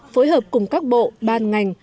phối hợp cùng các bộ ban ngành